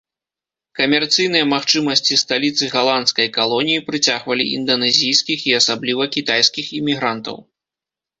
Камерцыйныя магчымасці сталіцы галандскай калоніі прыцягвалі інданезійскіх і асабліва кітайскіх імігрантаў.